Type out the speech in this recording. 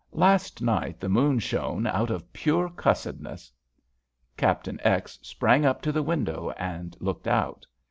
Last night the moon shone out of pure cussedness." Captain X. sprang up to the window and looked out.